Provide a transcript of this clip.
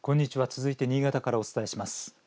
続いて、新潟からお伝えします。